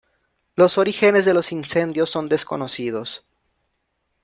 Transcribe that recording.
Los orígenes de los incendios son desconocidos.